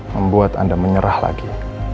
membuat anda menyerah lagi